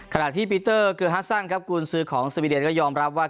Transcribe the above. ขณะที่ปีเตอร์เกอร์ฮัสซันครับกุญซื้อของสวีเดนก็ยอมรับว่า